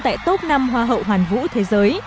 tại top năm hoa hậu hoàn vũ thế giới